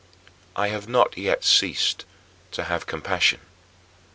I have not yet ceased to have compassion.